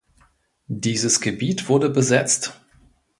Dieses Gebiet wurde besetzt!